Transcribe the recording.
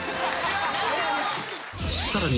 ［さらに］